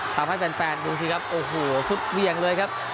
ทำให้แฟนดูสิครับโอ้โหสุดเวียงเลยครับ